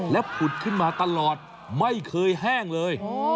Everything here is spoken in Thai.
และผุดขึ้นมาตลอดไม่เคยแห้งเลย